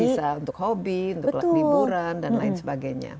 bisa untuk hobi untuk liburan dan lain sebagainya